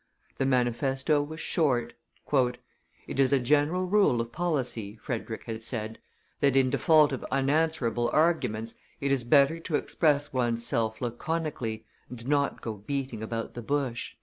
The manifesto was short. "It is a general rule of policy," Frederick had said, "that, in default of unanswerable arguments, it is better to express one's self laconically, and not go beating about the bush."